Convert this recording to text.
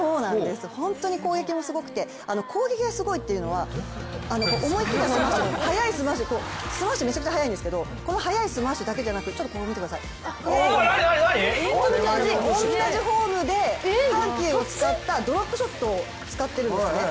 本当に攻撃もすごくて、攻撃がすごいというのは思い切ったスマッシュ、スマッシュめちゃくちゃ速いんですけどこの速いスマッシュだけじゃなくて見てください、同じフォームで緩急を使ったドロップショットを使ってるんですね。